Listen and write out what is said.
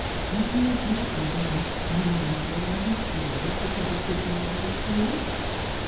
' Will my dear brother rest any easier in his grave because of his murderer's doom